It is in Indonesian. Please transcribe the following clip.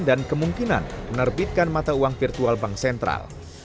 dan kemungkinan menerbitkan mata uang virtual bank sentral